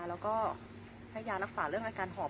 แล้วก็ให้ยารักษาเรื่องอาการหอบ